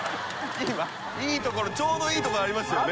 今いいところちょうどいいところありましたよね？